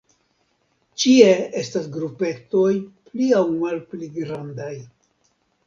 Ĉie estas grupetoj pli aŭ malpli grandaj.